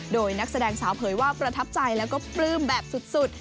โดยนักแสดงสาวเผยว่าประทับใจแล้วก็ปลื้มแบบสุด